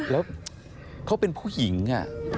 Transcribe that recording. แล้วเขาเป็นผู้หญิง